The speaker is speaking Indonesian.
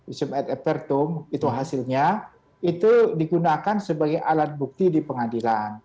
isim at epertum itu hasilnya itu digunakan sebagai alat bukti di pengadilan